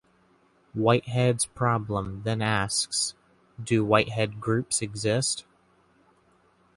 Whitehead's problem then asks: do Whitehead groups exist?